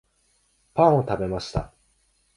パンを食べました